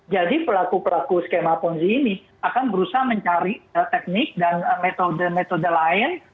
jadi pelaku pelaku skema ponzi ini akan berusaha mencari teknik dan metode metode lain